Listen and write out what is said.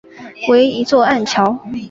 为一座暗礁。